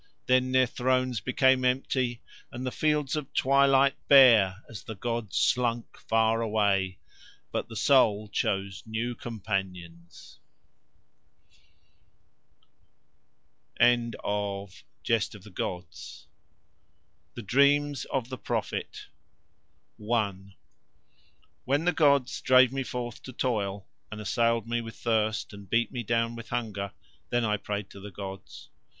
Then Their thrones became empty, and the Fields of Twilight bare as the gods slunk far away. But the soul chose new companions. THE DREAMS OF THE PROPHET I When the gods drave me forth to toil and assailed me with thirst and beat me down with hunger, then I prayed to the gods.